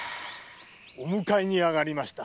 お迎えにあがりました。